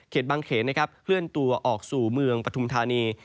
เขตบางเขตเคลื่อนตัวออกสู่เมืองประทุมธานี